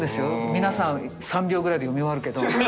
皆さん３秒ぐらいで読み終わるけど。